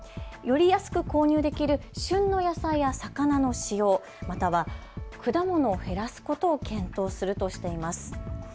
より安く購入できる旬の野菜や魚の使用、または果物を減らすことを検討するとしています。